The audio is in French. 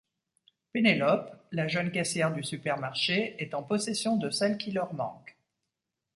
Pénélope, la jeune caissière du supermarché, est en possession de celle qui leur manque.